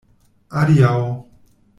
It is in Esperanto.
Adiaŭ.